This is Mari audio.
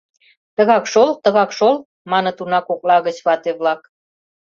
— Тыгак шол, тыгак шол, — маныт уна кокла гыч вате-влак.